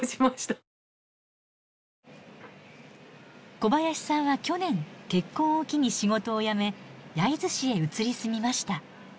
小林さんは去年結婚を機に仕事を辞め焼津市へ移り住みました。